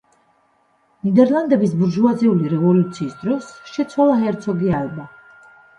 ნიდერლანდების ბურჟუაზიული რევოლუციის დროს შეცვალა ჰერცოგი ალბა.